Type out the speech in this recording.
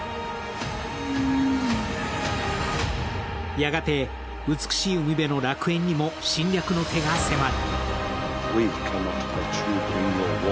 やがて美しい海辺の楽園にも侵略の手が迫る。